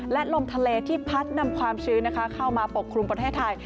และลมทะเลที่พัดนำความชื้นเข้ามาปกครุมประเทศไทย